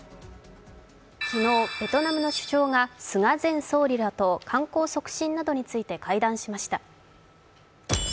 昨日、ベトナムの首相が菅前総理らと観光促進などについて会談しました。